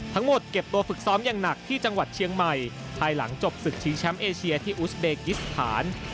เก็บตัวฝึกซ้อมอย่างหนักที่จังหวัดเชียงใหม่ภายหลังจบศึกชิงแชมป์เอเชียที่อุสเบกิสถาน